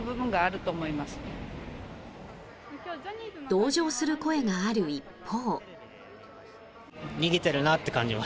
同情する声がある一方。